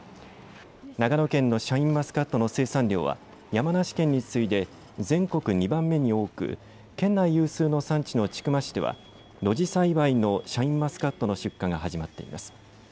長野県のシャインマスカットの生産量は山梨県に次いで全国２番目に多く県内有数の産地の千曲市では露地栽培のシャインマスカットの出荷が始まっています。